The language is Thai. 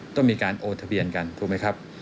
ต้องมีการโอทะเบียนกันถูกไหมครับ